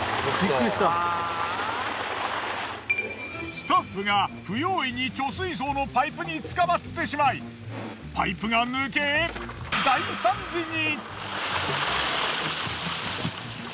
スタッフが不用意に貯水槽のパイプにつかまってしまいパイプが抜け大惨事に！